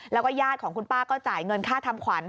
แล้วก็ญาติของคุณป้าก็จ่ายเงินค่าทำขวัญ